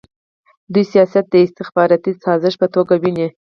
دوی سیاست د استخباراتي سازش په توګه ویني.